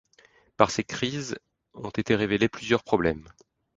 Par ces crises ont été révélés plusieurs problèmes.